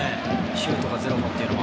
シュートが０本っていうのは。